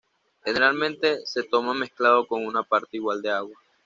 Generalmente se toma mezclado con una parte igual de agua.